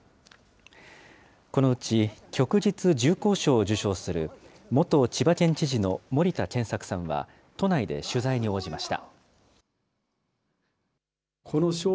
このうち、旭日重光章を受章する元千葉県知事の森田健作さんは、都内で取材に応じました。